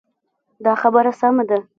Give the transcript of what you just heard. دا خبره سمه ده.